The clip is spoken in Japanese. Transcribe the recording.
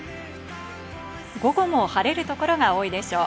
午後も晴れる所が多いでしょう。